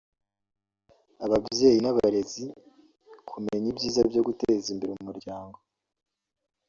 ababyeyi n’abarezi kumenya ibyiza byo guteza imbere umuryango